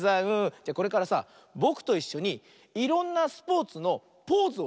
じゃこれからさぼくといっしょにいろんなスポーツのポーズをしてみようよ。